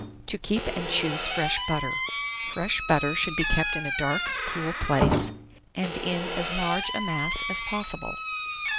TO KEEP AND CHOOSE FRESH BUTTER. 1632. Fresh butter should be kept in a dark, cool place, and in as large a mass as possible.